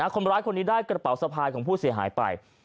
คนร้ายคนนี้ได้กระเป๋าสะพายของผู้เสียหายไป